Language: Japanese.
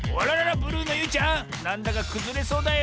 ブルーのゆいちゃんなんだかくずれそうだよ。